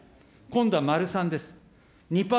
今度は丸３です。